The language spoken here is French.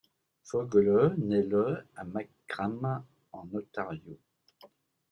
Foegele nait le à Markham en Ontario.